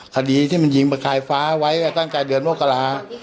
คดีที่มันยิงประกายฟ้าไว้ตั้งแต่เดือนมกรา